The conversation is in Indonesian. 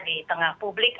di tengah publik